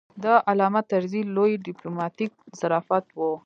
د علامه طرزي لوی ډیپلوماتیک ظرافت و.